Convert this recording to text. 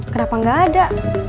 kenapa gak ada